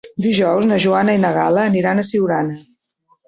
Dijous na Joana i na Gal·la aniran a Siurana.